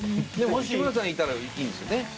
日村さんいたらいいんですよね